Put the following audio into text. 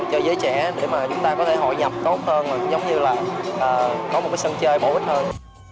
cho giới trẻ để mà chúng ta có thể hội nhập tốt hơn giống như là có một cái sân chơi bổ ích hơn